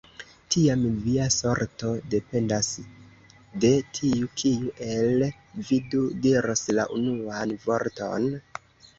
Tiam via sorto dependas de tiu, kiu el vi du diros la unuan vorton?